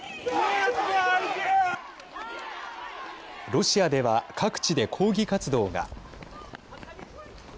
ロシアでは各地で抗議活動が。